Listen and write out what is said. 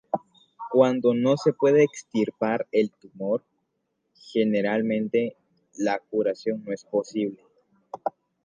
Cuando no se puede extirpar el tumor, generalmente, la curación no es posible.